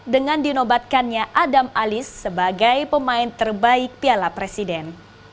dengan dinobatkannya adam alis sebagai pemain terbaik piala presiden